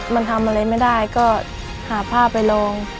มันทำอะไรไม่ได้ก็หาผ้าไปลอง